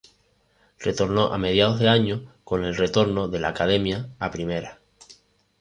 Retornó a mediados de año con el retorno de "la Academia" a Primera.